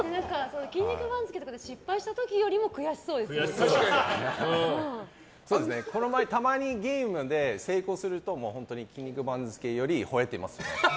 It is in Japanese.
「筋肉番付」とかで失敗した時よりもたまにゲームで成功すると本当に「筋肉番付」より吠えてますね。